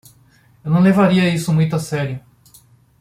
Eu não levaria isso muito a sério.